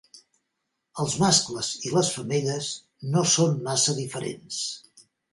Els mascles i les femelles no són massa diferents.